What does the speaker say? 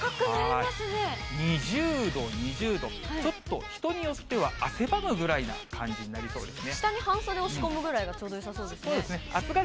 ２０度、２０度、ちょっと人によっては汗ばむくらいな感じになりそうですね。